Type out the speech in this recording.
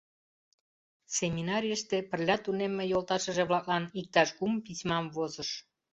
Семинарийыште пырля тунемме йолташыже-влаклан иктаж кум письмам возыш.